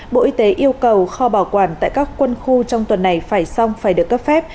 bộ y tế yêu cầu kho bảo quản tại các quân khu trong tuần này phải xong phải được cấp phép